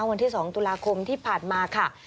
วันที่๒ตุลาคมที่ผ่านมาค่ะ